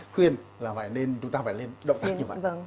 khuyên là chúng ta phải lên động tác như vậy